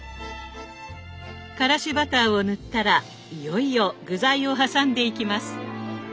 からしバターを塗ったらいよいよ具材を挟んでいきます。